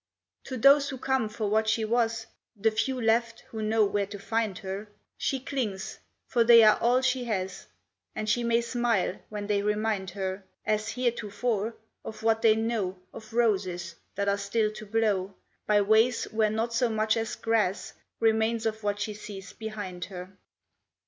To those who come for what she was The few left who know where to find her She clings, for they are all she has; And she may smile when they remind her, As heretofore, of what they know Of roses that are still to blow By ways where not so much as grass Remains of what she sees behind her.